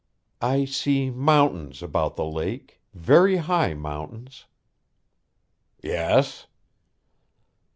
"I see mountains about the lake very high mountains." "Yes."